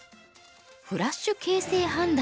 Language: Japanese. フラッシュ形勢判断。